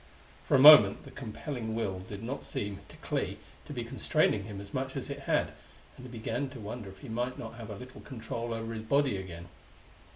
For a moment the compelling will did not seem, to Clee, to be constraining him as much is it had, and he began to wonder if he might not have a little control over his body again.